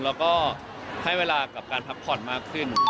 แล้วก็ให้เวลากับการพักผ่อนมากขึ้น